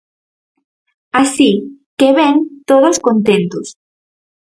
Así, que ben, todos contentos.